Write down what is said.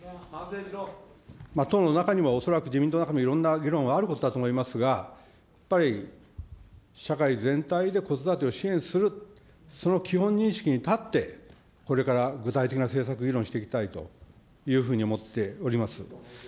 党の中にも、恐らく自民党の中にもいろんな議論があることだと思います、やっぱり社会全体で子育てを支援する、その基本認識に立って、これから具体的な政策議論していきたいというふうに思っております。